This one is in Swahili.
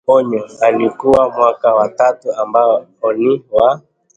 Anyoo alikuwa mwaka wa tatu ambao ni wa